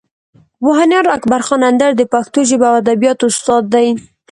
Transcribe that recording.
پوهنیار اکبر خان اندړ د پښتو ژبې او ادبیاتو استاد دی.